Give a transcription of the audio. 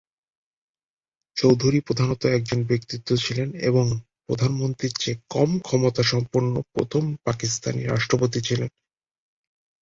চৌধুরী প্রধানত একজন ব্যক্তিত্ব ছিলেন এবং প্রধানমন্ত্রীর চেয়ে কম ক্ষমতা সম্পন্ন প্রথম পাকিস্তানি রাষ্ট্রপতি ছিলেন।